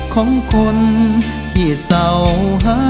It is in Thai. ของคนที่เศร้าฮักกัน